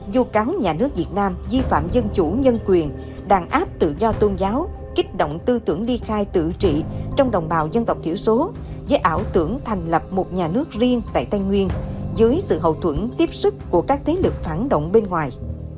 du cáo nhà nước việt nam di phạm dân chủ nhân quyền đàn áp tự do tôn giáo kích động tư tưởng ly khai tự trị trong đồng bào dân tộc thiểu số với ảo tưởng thành lập một nhà nước riêng tại tây nguyên dưới sự hậu thuẫn tiếp sức của các thế lực phản động bên ngoài